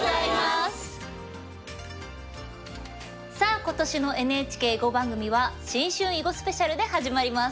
さあ今年のＮＨＫ囲碁番組は新春囲碁スペシャルで始まります。